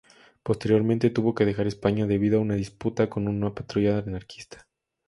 Posteriormente tuvo que dejar España debido a una disputa con una patrulla anarquista.